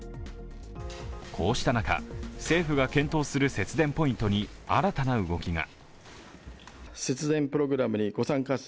こうした中、政府が検討する節電ポイントに新たな動きが。